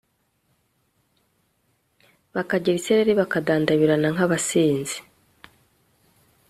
bakagira isereri bakadandabirana nk'abasinzi